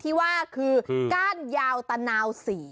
ที่ว่าคือก้านยาวตะนาวสี